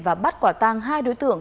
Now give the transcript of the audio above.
và bắt quả tăng hai đối tượng